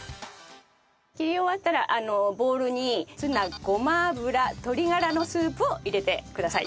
切り終わったらボウルにツナごま油鶏がらのスープを入れてください。